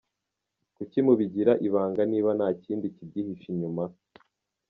Kuki mubigira ibanga niba nta kindi kibyihishe inyuma?”.